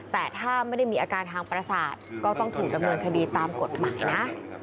แต่ถ้าไม่ได้มีอาการทางประสาทก็ต้องถูกดำเนินคดีตามกฎหมายนะ